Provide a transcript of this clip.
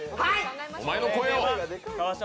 お前の声を！